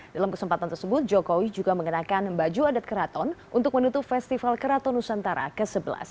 dalam kesempatan tersebut jokowi juga mengenakan baju adat keraton untuk menutup festival keraton nusantara ke sebelas